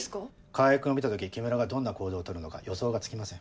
川合君を見た時木村がどんな行動を取るのか予想がつきません。